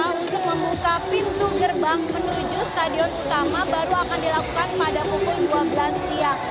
untuk membuka pintu gerbang menuju stadion utama baru akan dilakukan pada pukul dua belas siang